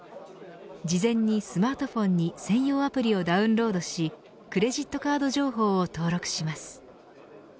事前にスマートフォンに専用アプリをダウンロードしクレジットカード情報を登録します。